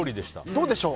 どうでしょう。